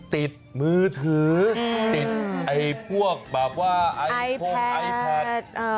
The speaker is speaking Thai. ติดมือถือติดพวกไอพลิด